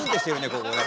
ここね。